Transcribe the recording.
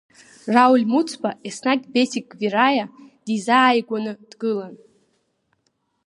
Рауль Муцба еснагь Бесик Квираиа дизааигәаны дгылан.